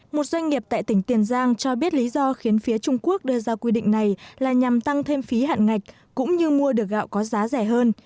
một doanh nghiệp tại tỉnh tiền giang cho biết lý do khiến phía trung quốc đưa ra quy định này là nhằm tăng thêm phí hạn ngạch cũng như mua được gạo có giá rẻ hơn